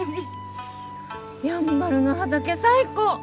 やんばるの畑最高！